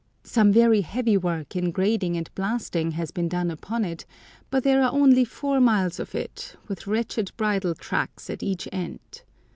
Some very heavy work in grading and blasting has been done upon it, but there are only four miles of it, with wretched bridle tracks at each end.